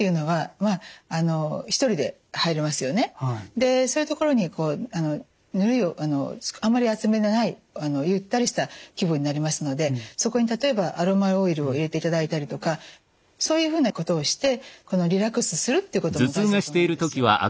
でそういうところにぬるいあんまり熱めでないゆったりした気分になりますのでそこに例えばアロマオイルを入れていただいたりとかそういうふうなことをしてリラックスするということも大事だと思うんですよ。